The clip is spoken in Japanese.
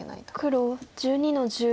黒１２の十五。